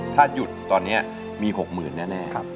ถ้ายดตอนนี้มีหกหมื่นแน่